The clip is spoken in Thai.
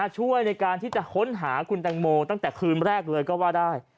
ช่วยในการที่จะค้นหาคุณตังโมตั้งแต่คืนแรกเลยก็ว่าได้